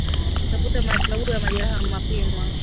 Tafuta matibabu ya majeraha mapema